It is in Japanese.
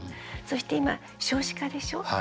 そして今少子化でしょ。